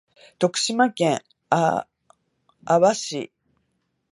徳島県阿波市